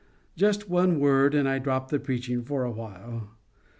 just one word, and I drop the preaching for a while.